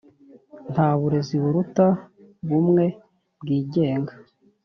nta burezi buruta bumwe bwigenga.